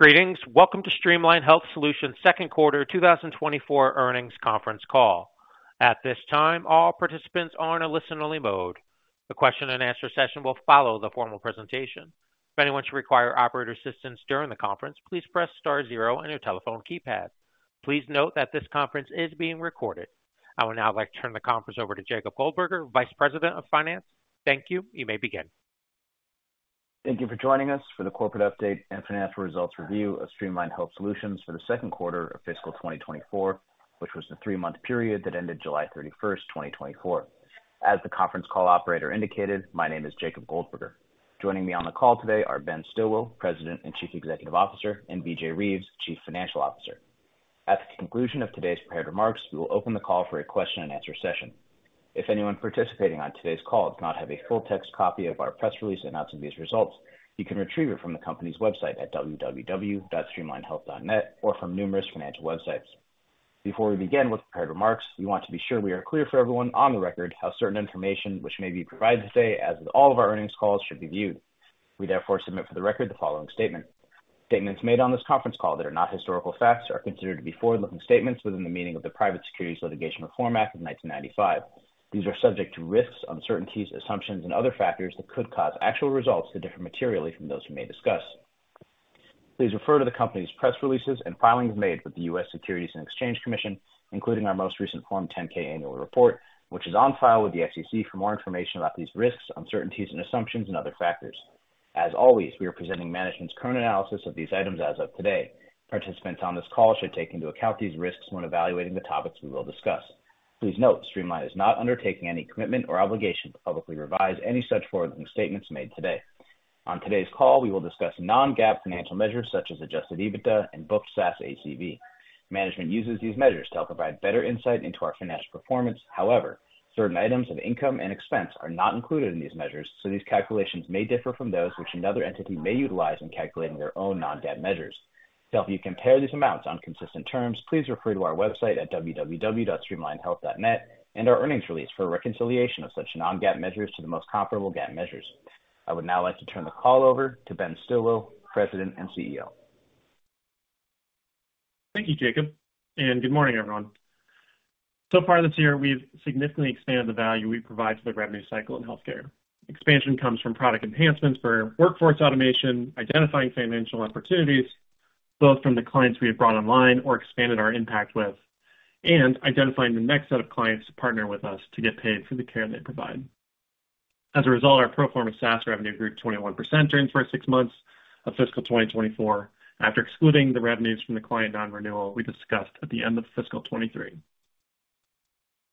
Greetings. Welcome to Streamline Health Solutions' second quarter 2024 earnings conference call. At this time, all participants are in a listen-only mode. The question and answer session will follow the formal presentation. If anyone should require operator assistance during the conference, please press star zero on your telephone keypad. Please note that this conference is being recorded. I would now like to turn the conference over to Jacob Goldberger, Vice President of Finance. Thank you. You may begin. Thank you for joining us for the corporate update and financial results review of Streamline Health Solutions for the second quarter of fiscal twenty twenty-four, which was the three-month period that ended July thirty-first, twenty twenty-four. As the conference call operator indicated, my name is Jacob Goldberger. Joining me on the call today are Ben Stilwill, President and Chief Executive Officer, and B.J. Reeves, Chief Financial Officer. At the conclusion of today's prepared remarks, we will open the call for a question and answer session. If anyone participating on today's call does not have a full text copy of our press release announcing these results, you can retrieve it from the company's website at www.streamlinehealth.net or from numerous financial websites. Before we begin with prepared remarks, we want to be sure we are clear for everyone on the record how certain information which may be provided today, as with all of our earnings calls, should be viewed. We therefore submit for the record the following statement: Statements made on this conference call that are not historical facts are considered to be forward-looking statements within the meaning of the Private Securities Litigation Reform Act of nineteen ninety-five. These are subject to risks, uncertainties, assumptions, and other factors that could cause actual results to differ materially from those we may discuss. Please refer to the company's press releases and filings made with the US Securities and Exchange Commission, including our most recent Form 10-K annual report, which is on file with the SEC for more information about these risks, uncertainties and assumptions and other factors. As always, we are presenting management's current analysis of these items as of today. Participants on this call should take into account these risks when evaluating the topics we will discuss. Please note, Streamline is not undertaking any commitment or obligation to publicly revise any such forward-looking statements made today. On today's call, we will discuss non-GAAP financial measures such as Adjusted EBITDA and Booked SaaS ACV. Management uses these measures to help provide better insight into our financial performance. However, certain items of income and expense are not included in these measures, so these calculations may differ from those which another entity may utilize in calculating their own non-GAAP measures. To help you compare these amounts on consistent terms, please refer to our website at www.streamlinehealth.net and our earnings release for a reconciliation of such non-GAAP measures to the most comparable GAAP measures. I would now like to turn the call over to Ben Stilwill, President and CEO. Thank you, Jacob, and good morning, everyone. So far this year, we've significantly expanded the value we provide to the revenue cycle in healthcare. Expansion comes from product enhancements for workforce automation, identifying financial opportunities, both from the clients we have brought online or expanded our impact with, and identifying the next set of clients to partner with us to get paid for the care they provide. As a result, our pro forma SaaS revenue grew 21% during the first six months of fiscal 2024, after excluding the revenues from the client non-renewal we discussed at the end of fiscal 2023.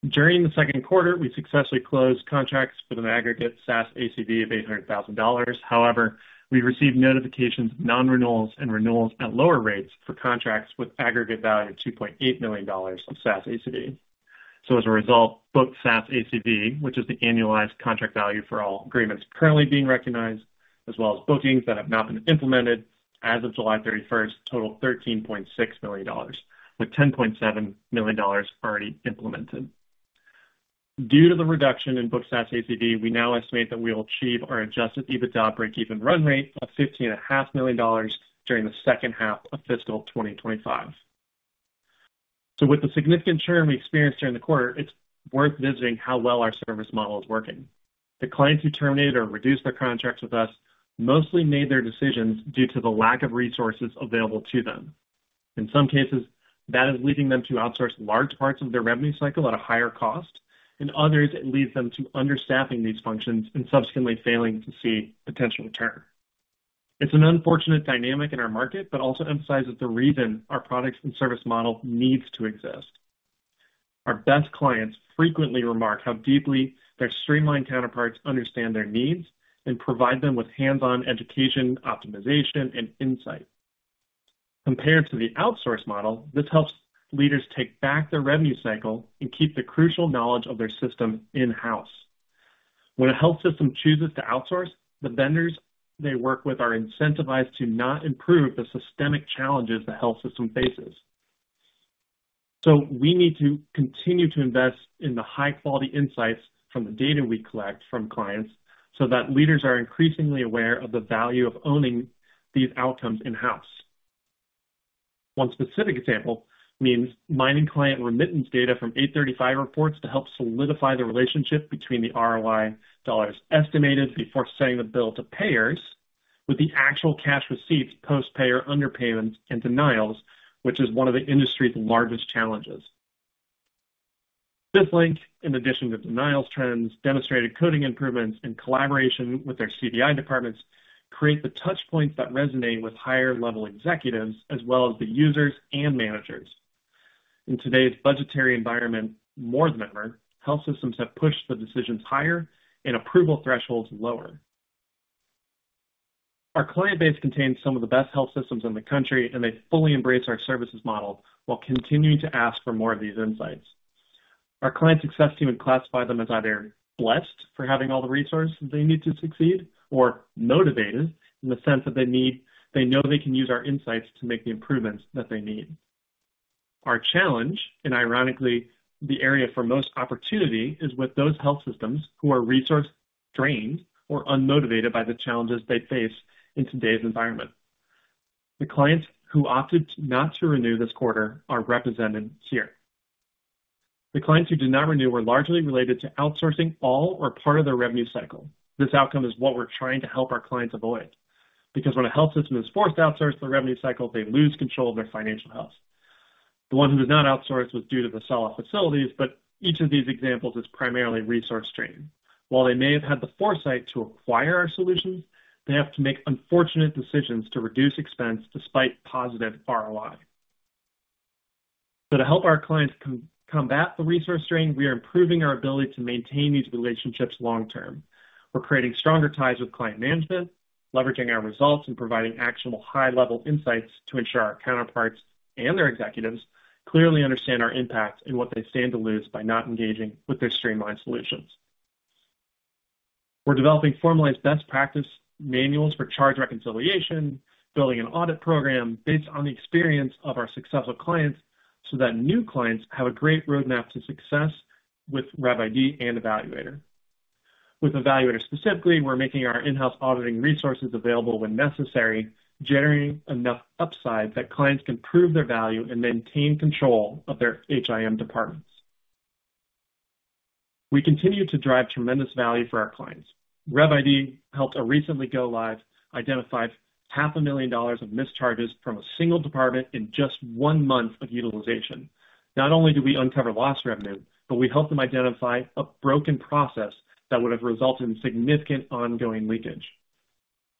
During the second quarter, we successfully closed contracts with an aggregate SaaS ACV of $800,000. However, we received notifications of non-renewals and renewals at lower rates for contracts with aggregate value of $2.8 million of SaaS ACV. So as a result, Booked SaaS ACV, which is the annualized contract value for all agreements currently being recognized, as well as bookings that have now been implemented as of July thirty-first, total $13.6 million, with $10.7 million already implemented. Due to the reduction in Booked SaaS ACV, we now estimate that we will achieve our Adjusted EBITDA breakeven run rate of $15.5 million during the second half of fiscal 2025. So with the significant churn we experienced during the quarter, it's worth visiting how well our service model is working. The clients who terminated or reduced their contracts with us mostly made their decisions due to the lack of resources available to them. In some cases, that is leading them to outsource large parts of their revenue cycle at a higher cost, and others, it leads them to understaffing these functions and subsequently failing to see potential return. It's an unfortunate dynamic in our market, but also emphasizes the reason our products and service model needs to exist. Our best clients frequently remark how deeply their streamlined counterparts understand their needs and provide them with hands-on education, optimization and insight. Compared to the outsource model, this helps leaders take back their revenue cycle and keep the crucial knowledge of their system in-house. When a health system chooses to outsource, the vendors they work with are incentivized to not improve the systemic challenges the health system faces. So we need to continue to invest in the high-quality insights from the data we collect from clients, so that leaders are increasingly aware of the value of owning these outcomes in-house. One specific example means mining client remittance data from 835 reports to help solidify the relationship between the ROI dollars estimated before sending the bill to payers, with the actual cash receipts, post-payer underpayments and denials, which is one of the industry's largest challenges. This link, in addition to denials trends, demonstrated coding improvements in collaboration with their CDI departments, create the touch points that resonate with higher level executives as well as the users and managers. In today's budgetary environment, more than ever, health systems have pushed the decisions higher and approval thresholds lower. Our client base contains some of the best health systems in the country, and they fully embrace our services model while continuing to ask for more of these insights. Our client success team would classify them as either blessed for having all the resources they need to succeed or motivated in the sense that they need. They know they can use our insights to make the improvements that they need. Our challenge, and ironically, the area for most opportunity, is with those health systems who are resource-drained or unmotivated by the challenges they face in today's environment. The clients who opted not to renew this quarter are represented here. The clients who did not renew were largely related to outsourcing all or part of their revenue cycle. This outcome is what we're trying to help our clients avoid, because when a health system is forced to outsource their revenue cycle, they lose control of their financial health. The one who did not outsource was due to the sell-off facilities, but each of these examples is primarily resource strain. While they may have had the foresight to acquire our solutions, they have to make unfortunate decisions to reduce expense despite positive ROI. So to help our clients combat the resource strain, we are improving our ability to maintain these relationships long term. We're creating stronger ties with client management, leveraging our results, and providing actionable, high-level insights to ensure our counterparts and their executives clearly understand our impact and what they stand to lose by not engaging with their Streamline solutions. We're developing formalized best practice manuals for charge reconciliation, building an audit program based on the experience of our successful clients, so that new clients have a great roadmap to success with RevID and eValuator. With eValuator specifically, we're making our in-house auditing resources available when necessary, generating enough upside that clients can prove their value and maintain control of their HIM departments. We continue to drive tremendous value for our clients. RevID helped a client recently go live, identified $500,000 of mischarges from a single department in just one month of utilization. Not only do we uncover lost revenue, but we help them identify a broken process that would have resulted in significant ongoing leakage.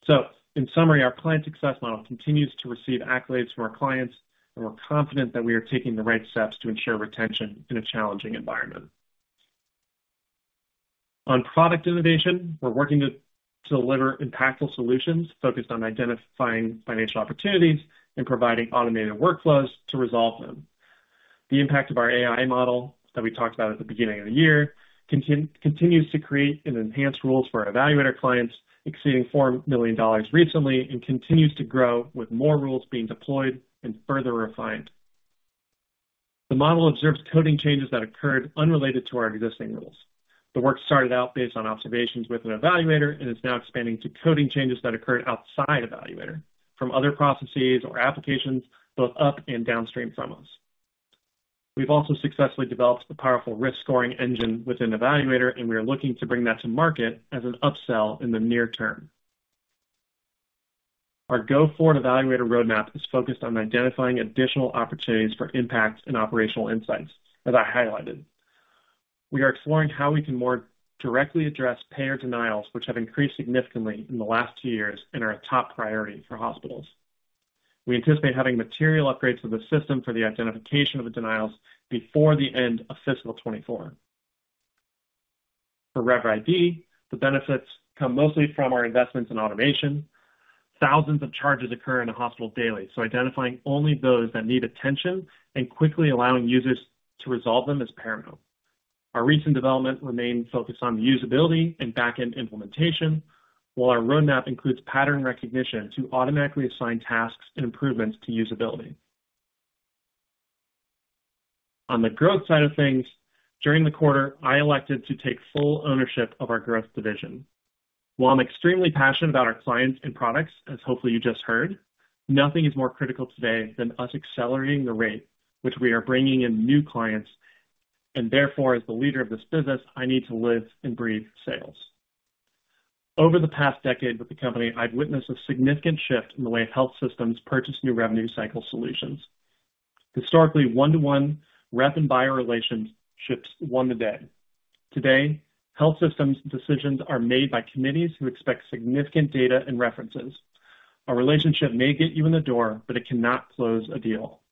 So in summary, our client success model continues to receive accolades from our clients, and we're confident that we are taking the right steps to ensure retention in a challenging environment. On product innovation, we're working to deliver impactful solutions focused on identifying financial opportunities and providing automated workflows to resolve them. The impact of our AI model that we talked about at the beginning of the year continues to create and enhance rules for our eValuator clients, exceeding $4 million recently, and continues to grow, with more rules being deployed and further refined. The model observes coding changes that occurred unrelated to our existing rules. The work started out based on observations within eValuator and is now expanding to coding changes that occurred outside eValuator from other processes or applications, both up and downstream from us. We've also successfully developed a powerful risk scoring engine within eValuator, and we are looking to bring that to market as an upsell in the near term. Our go-forward eValuator roadmap is focused on identifying additional opportunities for impact and operational insights, as I highlighted. We are exploring how we can more directly address payer denials, which have increased significantly in the last two years and are a top priority for hospitals. We anticipate having material upgrades to the system for the identification of the denials before the end of fiscal 2024. For RevID, the benefits come mostly from our investments in automation. Thousands of charges occur in a hospital daily, so identifying only those that need attention and quickly allowing users to resolve them is paramount. Our recent developments remain focused on usability and back-end implementation, while our roadmap includes pattern recognition to automatically assign tasks and improvements to usability. On the growth side of things, during the quarter, I elected to take full ownership of our growth division. While I'm extremely passionate about our clients and products, as hopefully you just heard, nothing is more critical today than us accelerating the rate which we are bringing in new clients, and therefore, as the leader of this business, I need to live and breathe sales. Over the past decade with the company, I've witnessed a significant shift in the way health systems purchase new revenue cycle solutions. Historically, one-to-one rep and buyer relationships won the day. Today, health systems decisions are made by committees who expect significant data and references. A relationship may get you in the door, but it cannot close a deal.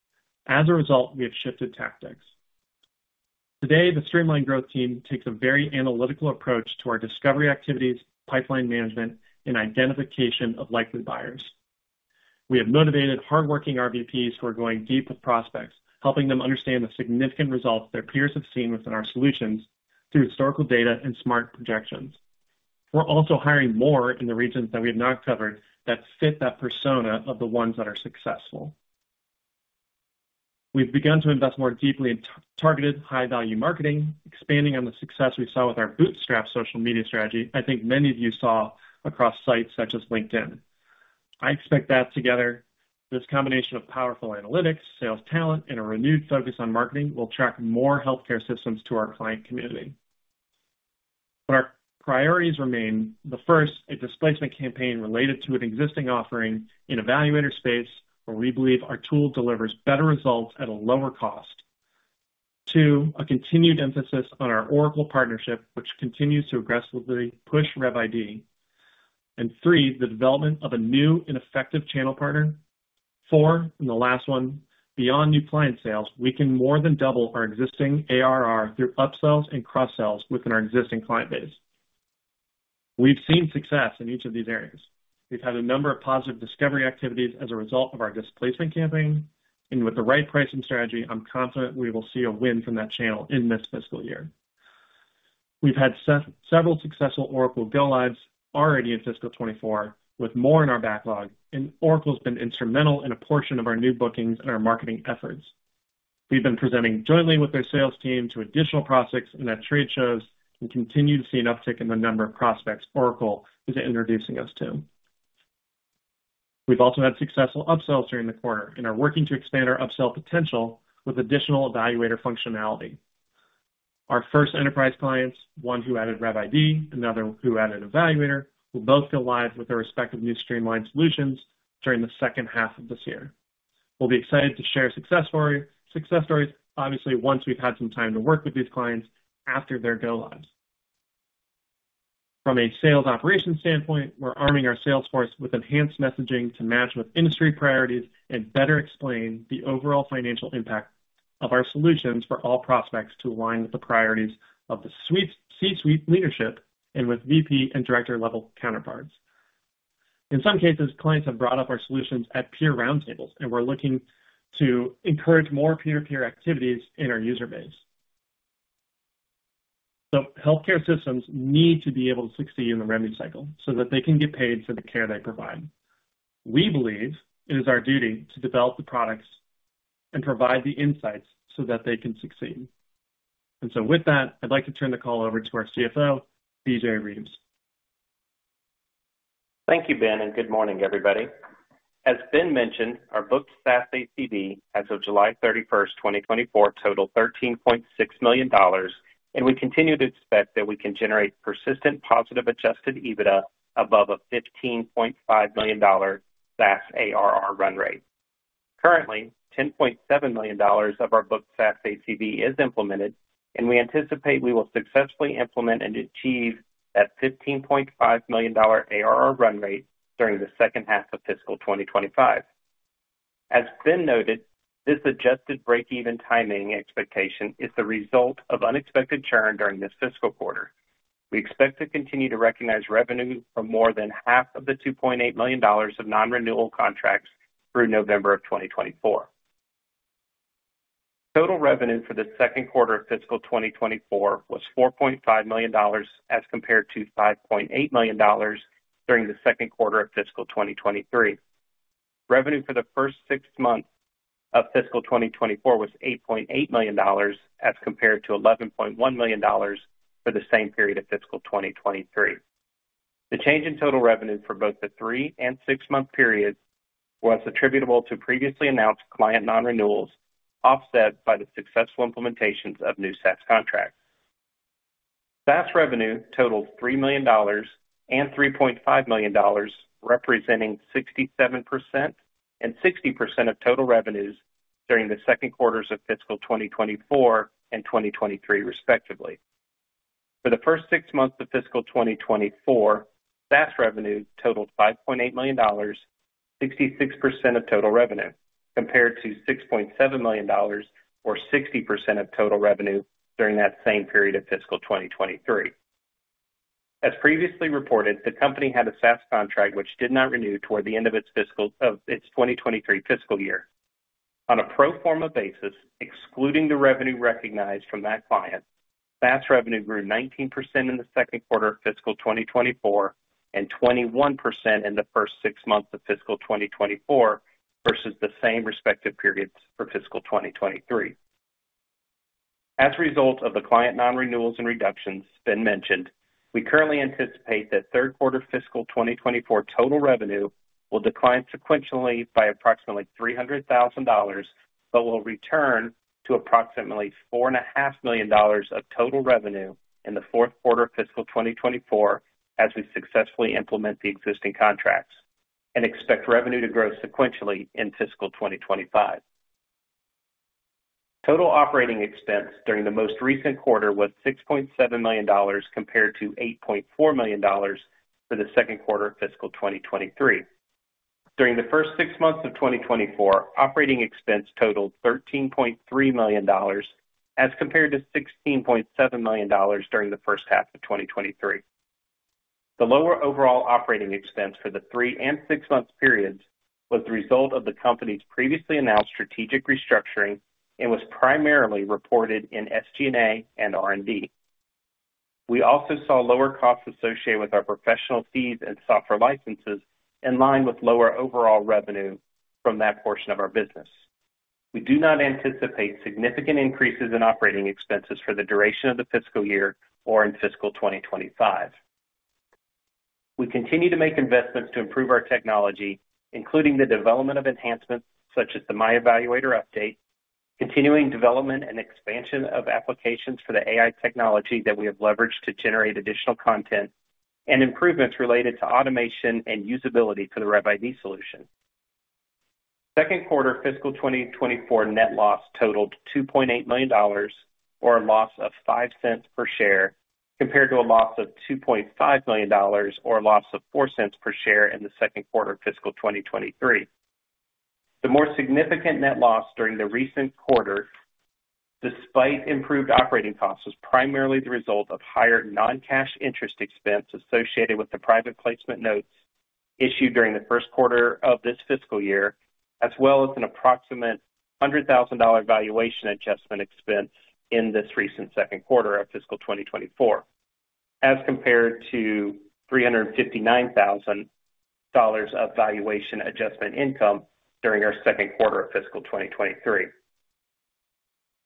As a result, we have shifted tactics. Today, the Streamline growth team takes a very analytical approach to our discovery activities, pipeline management, and identification of likely buyers. We have motivated, hardworking RVPs who are going deep with prospects, helping them understand the significant results their peers have seen within our solutions through historical data and smart projections. We're also hiring more in the regions that we have not covered that fit that persona of the ones that are successful. We've begun to invest more deeply in targeted, high-value marketing, expanding on the success we saw with our bootstrap social media strategy I think many of you saw across sites such as LinkedIn. I expect that together, this combination of powerful analytics, sales talent, and a renewed focus on marketing will attract more healthcare systems to our client community. But our priorities remain, the first, a displacement campaign related to an existing offering in eValuator space, where we believe our tool delivers better results at a lower cost. Two, a continued emphasis on our Oracle partnership, which continues to aggressively push RevID. And three, the development of a new and effective channel partner. Four, and the last one, beyond new client sales, we can more than double our existing ARR through upsells and cross-sells within our existing client base. We've seen success in each of these areas. We've had a number of positive discovery activities as a result of our displacement campaign, and with the right pricing strategy, I'm confident we will see a win from that channel in this fiscal year. We've had several successful Oracle go-lives already in fiscal twenty-four, with more in our backlog, and Oracle's been instrumental in a portion of our new bookings and our marketing efforts. We've been presenting jointly with their sales team to additional prospects and at trade shows, and continue to see an uptick in the number of prospects Oracle is introducing us to. We've also had successful upsells during the quarter and are working to expand our upsell potential with additional eValuator functionality. Our first enterprise clients, one who added RevID, another who added eValuator, will both go live with their respective new streamlined solutions during the second half of this year. We'll be excited to share success story, success stories, obviously, once we've had some time to work with these clients after their go lives. From a sales operations standpoint, we're arming our sales force with enhanced messaging to match with industry priorities and better explain the overall financial impact of our solutions for all prospects to align with the priorities of the C-suite leadership and with VP and director-level counterparts. In some cases, clients have brought up our solutions at peer roundtables, and we're looking to encourage more peer-to-peer activities in our user base. The healthcare systems need to be able to succeed in the revenue cycle so that they can get paid for the care they provide. We believe it is our duty to develop the products and provide the insights so that they can succeed. And so with that, I'd like to turn the call over to our CFO, BJ Reeves. Thank you, Ben, and good morning, everybody. As Ben mentioned, our booked SaaS ACV as of July thirty-first, 2024, totaled $13.6 million, and we continue to expect that we can generate persistent positive Adjusted EBITDA above a $15.5 million SaaS ARR run rate. Currently, $10.7 million of our booked SaaS ACV is implemented, and we anticipate we will successfully implement and achieve that $15.5 million ARR run rate during the second half of fiscal 2025. As Ben noted, this adjusted break-even timing expectation is the result of unexpected churn during this fiscal quarter. We expect to continue to recognize revenue for more than half of the $2.8 million of non-renewal contracts through November of 2024. Total revenue for the second quarter of fiscal 2024 was $4.5 million, as compared to $5.8 million during the second quarter of fiscal 2023. Revenue for the first six months of fiscal 2024 was $8.8 million, as compared to $11.1 million for the same period of fiscal 2023. The change in total revenue for both the three- and six-month periods was attributable to previously announced client non-renewals, offset by the successful implementations of new SaaS contracts. SaaS revenue totaled $3 million and $3.5 million, representing 67% and 60% of total revenues during the second quarters of fiscal 2024 and 2023, respectively. For the first six months of fiscal 2024, SaaS revenue totaled $5.8 million, 66% of total revenue, compared to $6.7 million, or 60% of total revenue during that same period of fiscal 2023. As previously reported, the company had a SaaS contract which did not renew toward the end of its fiscal 2023 year. On a pro forma basis, excluding the revenue recognized from that client, SaaS revenue grew 19% in the second quarter of fiscal 2024 and 21% in the first six months of fiscal 2024, versus the same respective periods for fiscal 2023. As a result of the client non-renewals and reductions Ben mentioned, we currently anticipate that third quarter fiscal 2024 total revenue will decline sequentially by approximately $300,000, but will return to approximately $4.5 million of total revenue in the fourth quarter of fiscal 2024 as we successfully implement the existing contracts, and expect revenue to grow sequentially in fiscal 2025. Total operating expense during the most recent quarter was $6.7 million, compared to $8.4 million for the second quarter of fiscal 2023. During the first six months of 2024, operating expense totaled $13.3 million, as compared to $16.7 million during the first half of 2023. The lower overall operating expense for the three- and six-month periods was the result of the company's previously announced strategic restructuring and was primarily reported in SG&A and R&D. We also saw lower costs associated with our professional fees and software licenses, in line with lower overall revenue from that portion of our business. We do not anticipate significant increases in operating expenses for the duration of the fiscal year or in fiscal 2025. We continue to make investments to improve our technology, including the development of enhancements such as the My eValuator update, continuing development and expansion of applications for the AI technology that we have leveraged to generate additional content, and improvements related to automation and usability for the RevID solution. Second quarter fiscal 2024 net loss totaled $2.8 million, or a loss of $0.05 per share, compared to a loss of $2.5 million, or a loss of $0.04 per share in the second quarter of fiscal 2023. The more significant net loss during the recent quarter, despite improved operating costs, was primarily the result of higher non-cash interest expense associated with the private placement notes issued during the first quarter of this fiscal year, as well as an approximate $100,000 valuation adjustment expense in this recent second quarter of fiscal 2024, as compared to $359,000 of valuation adjustment income during our second quarter of fiscal 2023.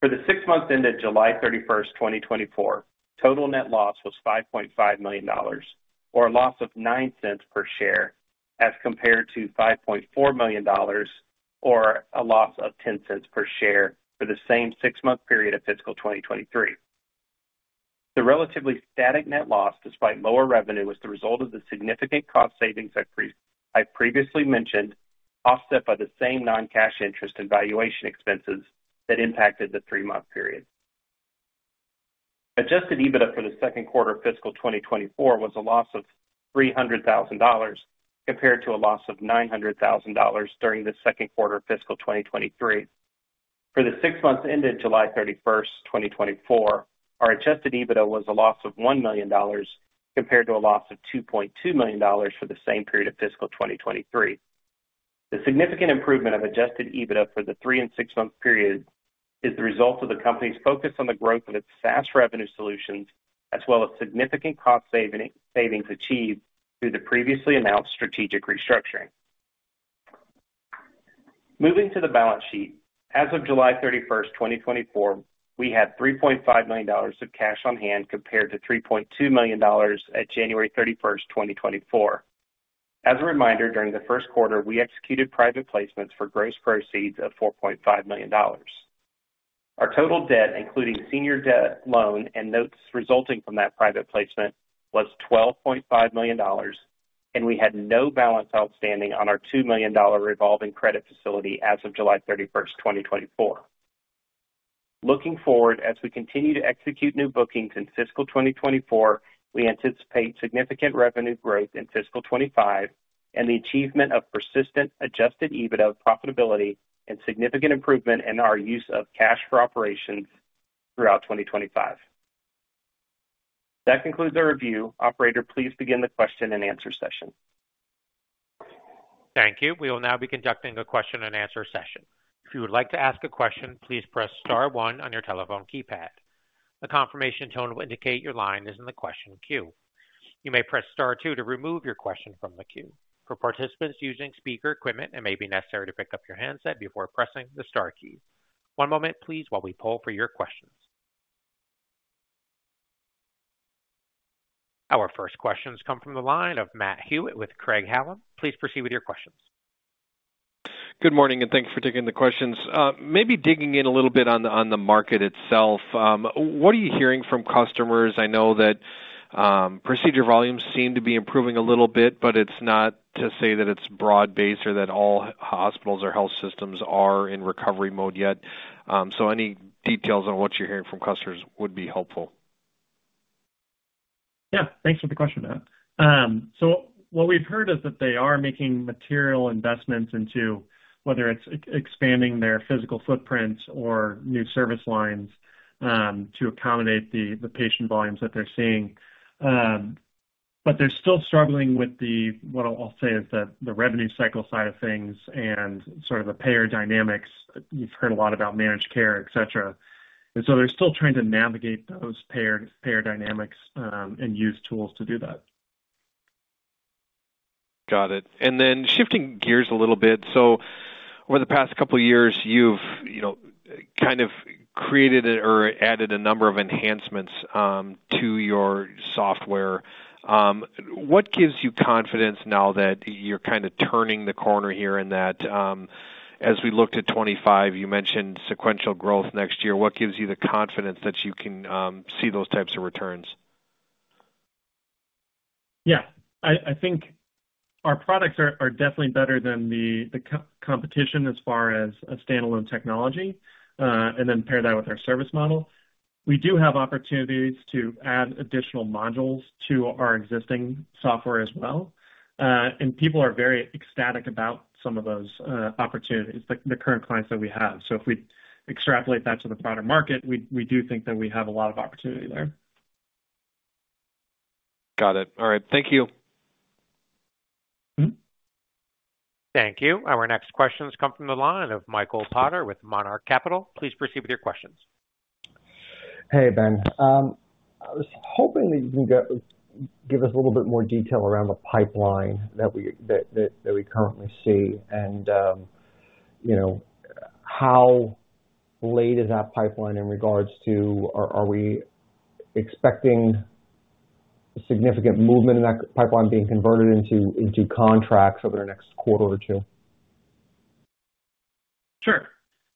For the six months ended July thirty-first, 2024, total net loss was $5.5 million, or a loss of $0.09 per share, as compared to $5.4 million or a loss of $0.10 per share for the same six-month period of fiscal 2023. The relatively static net loss, despite lower revenue, was the result of the significant cost savings I previously mentioned, offset by the same non-cash interest and valuation expenses that impacted the three-month period. Adjusted EBITDA for the second quarter of fiscal 2024 was a loss of $300,000, compared to a loss of $900,000 during the second quarter of fiscal 2023. For the six months ended July thirty-first, 2024, our Adjusted EBITDA was a loss of $1 million, compared to a loss of $2.2 million for the same period of fiscal 2023. The significant improvement of Adjusted EBITDA for the three and six-month period is the result of the company's focus on the growth of its SaaS revenue solutions, as well as significant cost saving, savings achieved through the previously announced strategic restructuring. Moving to the balance sheet. As of July thirty-first, 2024, we had $3.5 million of cash on hand, compared to $3.2 million at January thirty-first, 2024. As a reminder, during the first quarter, we executed private placements for gross proceeds of $4.5 million. Our total debt, including senior debt loan and notes resulting from that private placement, was $12.5 million, and we had no balance outstanding on our $2 million revolving credit facility as of July 31, 2024. Looking forward, as we continue to execute new bookings in fiscal 2024, we anticipate significant revenue growth in fiscal 2025 and the achievement of persistent Adjusted EBITDA profitability and significant improvement in our use of cash for operations throughout 2025. That concludes the review. Operator, please begin the question and answer session. Thank you. We will now be conducting a question and answer session. If you would like to ask a question, please press star one on your telephone keypad. The confirmation tone will indicate your line is in the question queue. You may press star two to remove your question from the queue. For participants using speaker equipment, it may be necessary to pick up your handset before pressing the star key. One moment, please, while we poll for your questions. Our first questions come from the line of Matt Hewitt with Craig-Hallum. Please proceed with your questions. Good morning, and thanks for taking the questions. Maybe digging in a little bit on the market itself. What are you hearing from customers? I know that procedure volumes seem to be improving a little bit, but it's not to say that it's broad-based or that all hospitals or health systems are in recovery mode yet. So any details on what you're hearing from customers would be helpful. Yeah, thanks for the question, Matt. So what we've heard is that they are making material investments into whether it's expanding their physical footprints or new service lines, to accommodate the patient volumes that they're seeing. But they're still struggling with what I'll say is that the revenue cycle side of things and sort of the payer dynamics. You've heard a lot about managed care, et cetera. And so they're still trying to navigate those payer dynamics, and use tools to do that. Got it, and then shifting gears a little bit, so over the past couple of years, you've, you know, kind of created or added a number of enhancements to your software. What gives you confidence now that you're kind of turning the corner here, and that, as we look to 2025, you mentioned sequential growth next year? What gives you the confidence that you can see those types of returns? Yeah. I think our products are definitely better than the competition as far as a standalone technology, and then pair that with our service model. We do have opportunities to add additional modules to our existing software as well, and people are very ecstatic about some of those opportunities, the current clients that we have, so if we extrapolate that to the broader market, we do think that we have a lot of opportunity there. Got it. All right. Thank you. Mm-hmm. Thank you. Our next questions come from the line of Michael Potter with Monarch Capital. Please proceed with your questions. Hey, Ben. I was hoping that you can give us a little bit more detail around the pipeline that we currently see, and, you know, how late is that pipeline in regards to are we expecting significant movement in that pipeline being converted into contracts over the next quarter or two? Sure.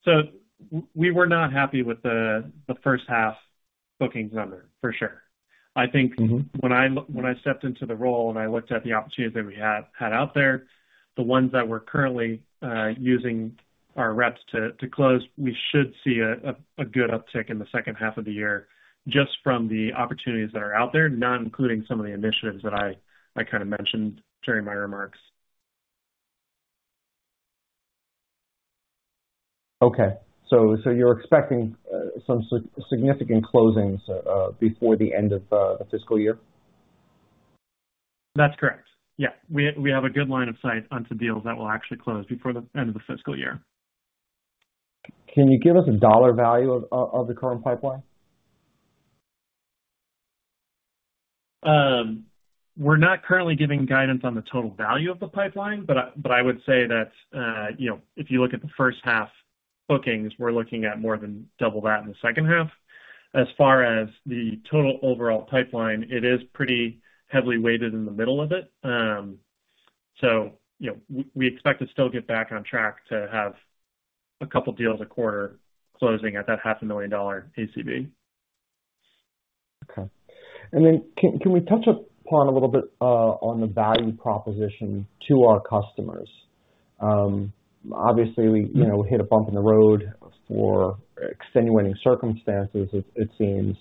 So we were not happy with the first half bookings number, for sure. I think- Mm-hmm. When I stepped into the role and I looked at the opportunities that we had out there, the ones that we're currently using our reps to close, we should see a good uptick in the second half of the year, just from the opportunities that are out there, not including some of the initiatives that I kind of mentioned during my remarks.... Okay, so you're expecting some significant closings before the end of the fiscal year? That's correct. Yeah. We have a good line of sight onto deals that will actually close before the end of the fiscal year. Can you give us a dollar value of the current pipeline? We're not currently giving guidance on the total value of the pipeline, but I, but I would say that, you know, if you look at the first half bookings, we're looking at more than double that in the second half. As far as the total overall pipeline, it is pretty heavily weighted in the middle of it. So, you know, we expect to still get back on track to have a couple deals a quarter closing at that $500,000 ACV. Okay. And then, can we touch upon a little bit on the value proposition to our customers? Obviously, we, you know, hit a bump in the road for extenuating circumstances, it seems.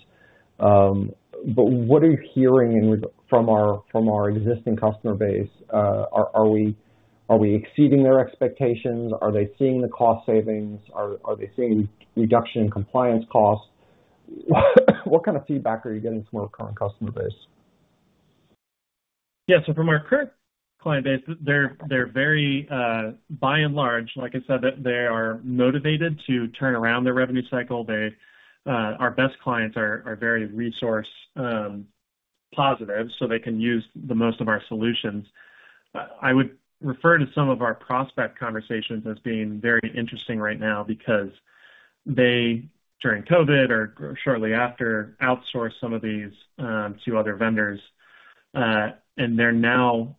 But what are you hearing from our existing customer base? Are we exceeding their expectations? Are they seeing the cost savings? Are they seeing reduction in compliance costs? What kind of feedback are you getting from our current customer base? Yeah. So from our current client base, they're very, by and large, like I said, they are motivated to turn around their revenue cycle. They, our best clients are very resource positive, so they can use the most of our solutions. I would refer to some of our prospect conversations as being very interesting right now because they, during COVID or shortly after, outsourced some of these to other vendors, and they're now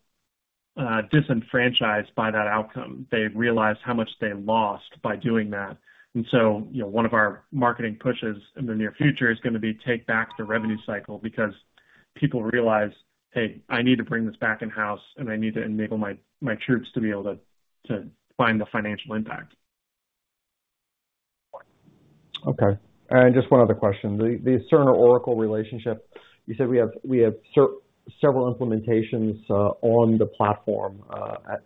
disenfranchised by that outcome. They've realized how much they lost by doing that. And so, you know, one of our marketing pushes in the near future is gonna be take back the revenue cycle, because people realize, "Hey, I need to bring this back in-house, and I need to enable my troops to be able to find the financial impact. Okay. And just one other question: the Cerner-Oracle relationship, you said we have several implementations on the platform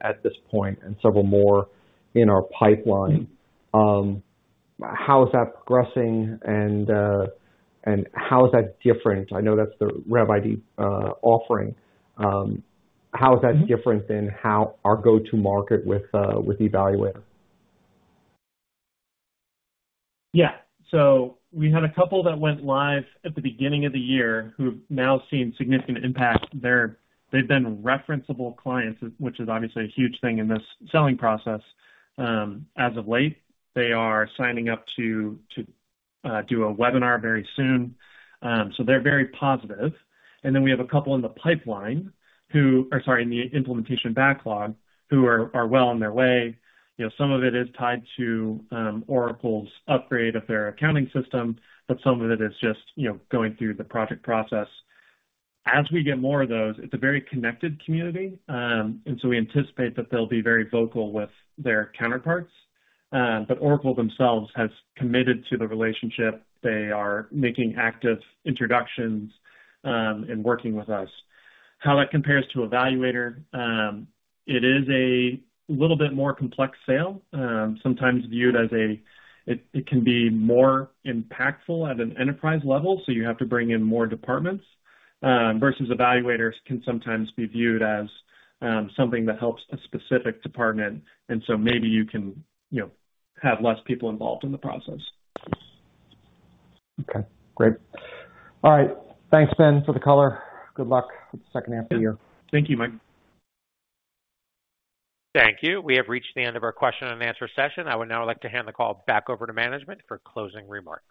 at this point and several more in our pipeline. How is that progressing, and how is that different? I know that's the RevID offering. How is that different than how our go-to market with eValuator? Yeah. So we had a couple that went live at the beginning of the year who have now seen significant impact. They've been referenceable clients, which is obviously a huge thing in this selling process. As of late, they are signing up to do a webinar very soon, so they're very positive. And then we have a couple in the pipeline who, or sorry, in the implementation backlog, who are well on their way. You know, some of it is tied to Oracle's upgrade of their accounting system, but some of it is just, you know, going through the project process. As we get more of those, it's a very connected community, and so we anticipate that they'll be very vocal with their counterparts. But Oracle themselves has committed to the relationship. They are making active introductions, and working with us. How that compares to eValuator? It is a little bit more complex sale, sometimes viewed as a... It can be more impactful at an enterprise level, so you have to bring in more departments, versus eValuators can sometimes be viewed as, something that helps a specific department, and so maybe you can, you know, have less people involved in the process. Okay, great. All right. Thanks, Ben, for the color. Good luck with the second half of the year. Thank you, Mike. Thank you. We have reached the end of our question-and-answer session. I would now like to hand the call back over to management for closing remarks.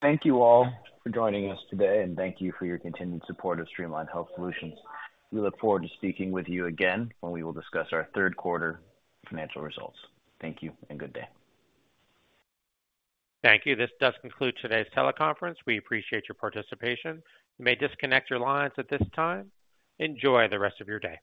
Thank you all for joining us today, and thank you for your continued support of Streamline Health Solutions. We look forward to speaking with you again when we will discuss our third quarter financial results. Thank you and good day. Thank you. This does conclude today's teleconference. We appreciate your participation. You may disconnect your lines at this time. Enjoy the rest of your day.